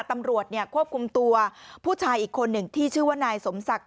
ตำรวจควบคุมตัวผู้ชายอีกคนหนึ่งที่ชื่อว่านายสมศักดิ